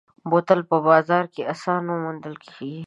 بوتل په بازار کې اسانه موندل کېږي.